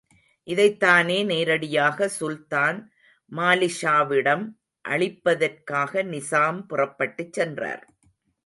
இதைத் தானே நேரடியாக சுல்தான் மாலிக்ஷாவிடம் அளிப்பதற்காக நிசாம் புறப்பட்டுச் சென்றார்.